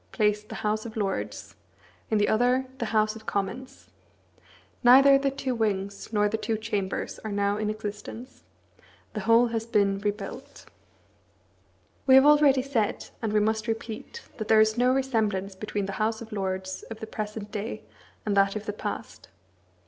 placed the House of Lords, in the other the House of Commons. Neither the two wings nor the two chambers are now in existence. The whole has been rebuilt. We have already said, and we must repeat, that there is no resemblance between the House of Lords of the present day and that of the past.